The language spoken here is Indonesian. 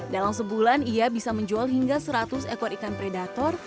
dalam sebulan ia bisa menjual hingga seratus ekor ikan predator